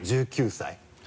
１９歳。